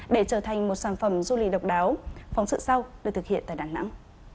đây là một sản phẩm du lịch độc đáo phóng sự sau được thực hiện tại đà nẵng